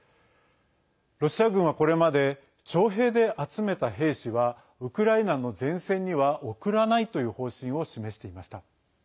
ロシア軍は、これまで徴兵で集めた兵士はウクライナの前線には送らないという方針を示していました。